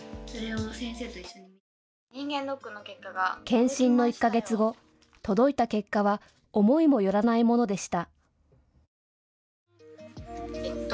検診の１か月後、届いた結果は思いもよらないものでした。